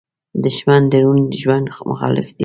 دښمن د روڼ ژوند مخالف دی